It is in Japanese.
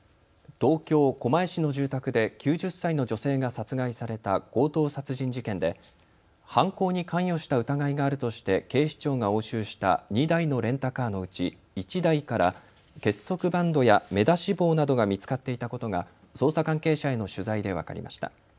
東京狛江市の住宅で９０歳の女性が殺害された強盗殺人事件で犯行に関与した疑いがあるとして警視庁が押収した２台のレンタカーのうち１台から結束バンドや目出し帽などが見つかっていたことが捜査関係者への取材で分かりました。